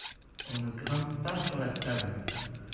on ne grimpe pas sur la table.